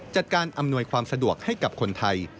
การอำนวยความสะดวกให้กับคนไทย